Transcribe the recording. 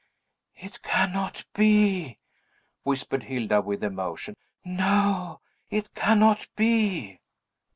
"It cannot be!" whispered Hilda, with emotion. "No; it cannot be!"